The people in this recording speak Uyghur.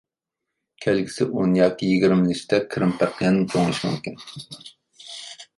كەلگۈسى ئون ياكى يىگىرمە يىل ئىچىدە، كىرىم پەرقى يەنىمۇ چوڭىيىشى مۇمكىن.